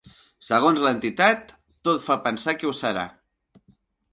Segons l’entitat, tot fa pensar que ho serà.